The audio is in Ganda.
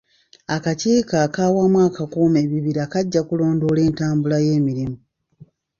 Akakiiko ak'Awamu Akakuuma Ebibira kajja kulondoola entambula y'emirimu.